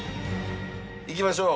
いきましょう。